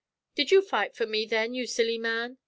"'Did you fight for me then, ye silly man?'